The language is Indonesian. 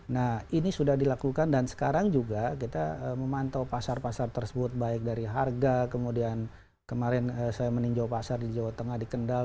nah ini sudah dilakukan dan sekarang juga kita memantau pasar pasar tersebut baik dari harga kemudian kemarin saya meninjau pasar di jawa tengah di kendal